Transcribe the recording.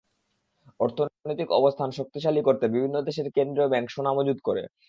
অর্থনৈতিক অবস্থান শক্তিশালী করতে বিভিন্ন দেশের কেন্দ্রীয় ব্যাংক সোনা মজুত করে।